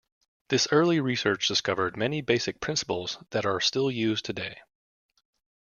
This early research discovered many basic principles that are still used today.